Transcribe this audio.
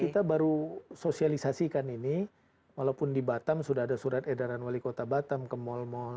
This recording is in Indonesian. kita baru sosialisasikan ini walaupun di batam sudah ada surat edaran wali kota batam ke mal mal